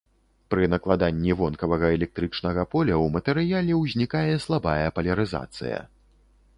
Пры накладанні вонкавага электрычнага поля ў матэрыяле ўзнікае слабая палярызацыя.